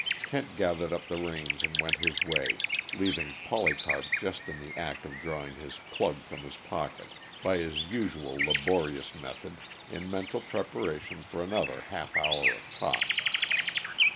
Kent gathered up the reins and went his way, leaving Polycarp just in the act of drawing his "plug" from his pocket, by his usual laborious method, in mental preparation for another half hour of talk.